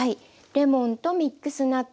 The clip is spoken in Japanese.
レモンとミックスナッツ